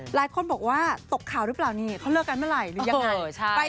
หลายคนบอกว่าตกข่าวหรือเปล่านี่เขาเลิกกันเมื่อไหร่หรือยังไง